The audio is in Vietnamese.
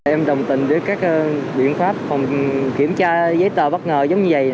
em đồng tình với các biện pháp phòng kiểm tra giấy tờ bất ngờ giống như vậy